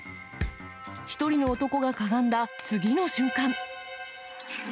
１人の男がかがんだ次の瞬間。